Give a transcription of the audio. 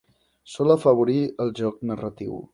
Sol afavorir el joc narratiu.